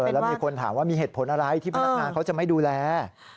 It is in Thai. แล้วมีคนถามว่ามีเหตุผลอะไรที่พนักงานเขาจะไม่ดูแล